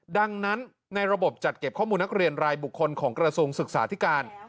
ดังนั้นในระบบจัดเก็บข้อมูลนักเรียนรายบุคคลของกระทรวงศึกษาธิการ